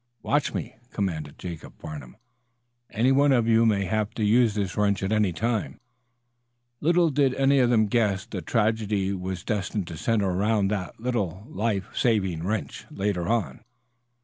"Watch me," commanded Jacob Farnum. "Any one of you may have to use this wrench at any time." Little did any of them guess the tragedy that was destined to center around that life saving wrench later on.